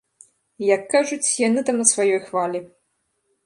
Як кажуць яны там на сваёй хвалі.